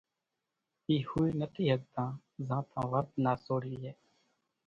اِي ۿوئي نٿي ۿڳتان زانتان ورت نا سوڙي لئي